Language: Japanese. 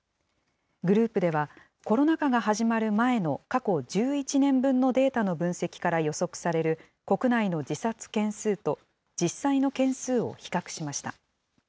グループでは、コロナ禍が始まる前の過去１１年分のデータの分析から予測される国内の自殺件数と、実際の件数を比較しました。